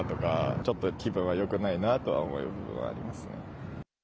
ちょっと気分はよくないなと思うところはありますね。